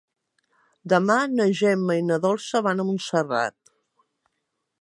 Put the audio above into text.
Demà na Gemma i na Dolça van a Montserrat.